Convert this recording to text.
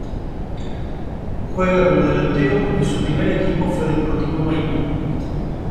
Juega como delantero y su primer equipo fue Deportivo Maipú.